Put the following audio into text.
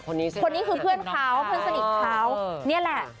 คนนี้คือเพื่อนเขาเพื่อนสนิทเขา